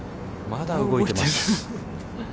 まだ動いてます。